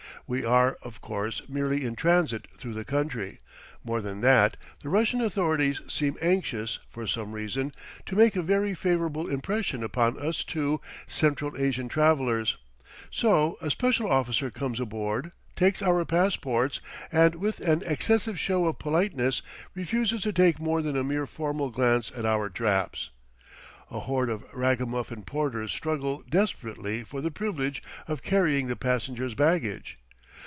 We are, of course, merely in transit through the country; more than that, the Russian authorities seem anxious, for some reason, to make a very favorable impression upon us two Central Asian travellers; so a special officer comes aboard, takes our passports, and with an excessive show of politeness refuses to take more than a mere formal glance at our traps. A horde of ragamuffin porters struggle desperately for the privilege of carrying the passengers' baggage.